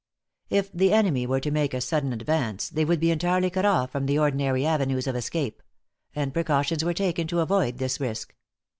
If the enemy were to make a sudden advance, they would be entirely cut off from the ordinary avenues of escape; and precautions were taken to avoid this risk.